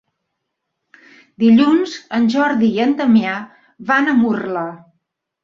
Dilluns en Jordi i en Damià van a Murla.